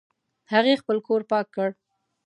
هغې خپل کور پاک کړ